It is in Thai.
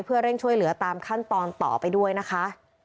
เพื่อเร่งช่วยเหลือตามขั้นตอนต่อไปด้วยนะคะ